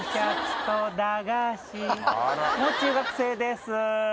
「もう中学生」です。